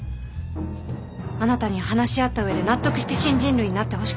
あなたに話し合った上で納得して新人類になってほしかったから。